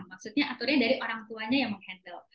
maksudnya aturnya dari orang tuanya yang mengendal